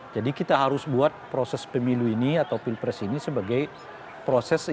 jadi kita harus buat proses pemilu ini atau pilpres ini sebagai proses ekonomi